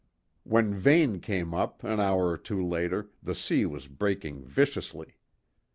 When Vane came up an hour or two later, the sea was breaking viciously.